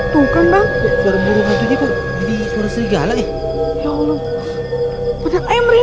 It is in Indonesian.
sampai jumpa di video selanjutnya